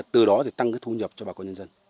từ đó thì tăng cái thu nhập cho bà con nhân dân